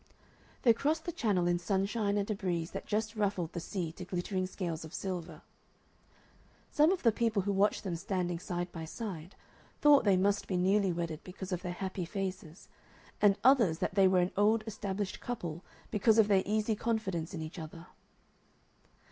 They crossed the Channel in sunshine and a breeze that just ruffled the sea to glittering scales of silver. Some of the people who watched them standing side by side thought they must be newly wedded because of their happy faces, and others that they were an old established couple because of their easy confidence in each other.